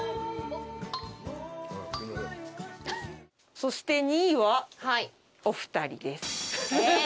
そして２位はお二人です。